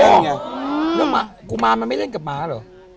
ไงแล้วกุมารมันไม่เล่นกับหมาเหรอ